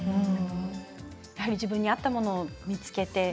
自分に合ったものを見つけて。